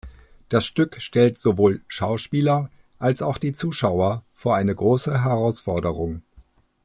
Das Stück stellt sowohl Schauspieler, als auch die Zuschauer vor eine große Herausforderung“.